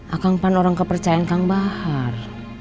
akang pan orang kepercayaan kang bahar